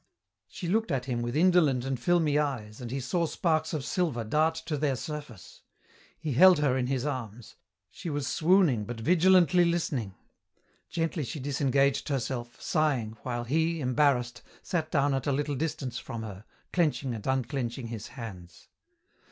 She looked at him with indolent and filmy eyes, and he saw sparks of silver dart to their surface. He held her in his arms. She was swooning but vigilantly listening. Gently she disengaged herself, sighing, while he, embarrassed, sat down at a little distance from her, clenching and unclenching his hands.